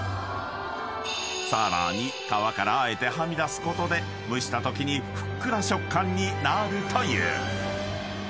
［さらに皮からあえてはみ出すことで蒸したときにふっくら食感になるという］